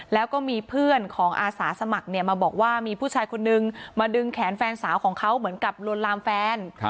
แล้วก็มีเพื่อนของอาสาสมัครมาบอกว่ามีผู้ชายคนนึงมาดึงแขนแฟนสาวของเขาเหมือนกับลวนลามแฟน